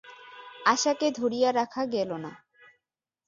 আশাকে ধরিয়া রাখা গেল না।